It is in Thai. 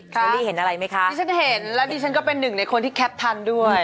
เชอรี่เห็นอะไรไหมคะดิฉันเห็นแล้วดิฉันก็เป็นหนึ่งในคนที่แคปทันด้วย